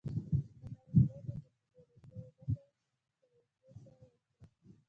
_خو ما نجلۍ ته د شيدو له چايو ډکه چايجوشه ورکړه.